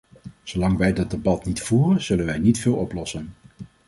Zolang wij dat debat niet voeren, zullen wij niet veel oplossen.